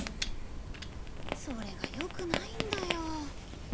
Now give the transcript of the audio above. それが良くないんだよ。